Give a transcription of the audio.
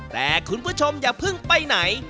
แต่คุณผู้ชมอย่าเพิ่งไปไหน